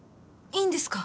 いいんですか？